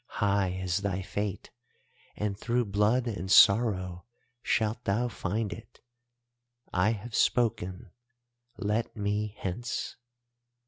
High is thy fate, and through blood and sorrow shalt thou find it. I have spoken, let me hence.